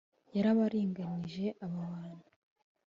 yarabaringanije aba bantu